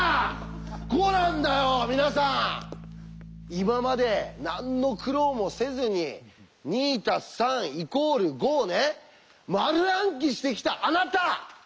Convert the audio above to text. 今まで何の苦労もせずに「２＋３＝５」をね丸暗記してきたあなた！